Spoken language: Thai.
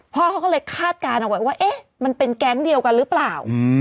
พ่อเขาก็เลยคาดการณ์เอาไว้ว่าเอ๊ะมันเป็นแก๊งเดียวกันหรือเปล่า